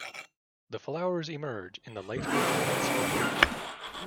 The flowers emerge in the late winter and spring.